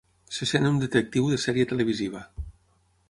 Se sent un detectiu de sèrie televisiva.